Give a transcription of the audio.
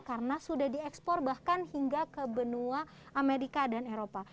karena sudah diekspor bahkan hingga ke benua amerika dan eropa